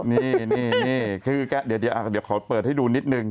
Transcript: นี่คือเดี๋ยวขอเปิดให้ดูนิดนึง